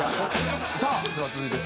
さあでは続いてテーマ。